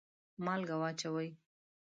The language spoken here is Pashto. مالګه واچوئ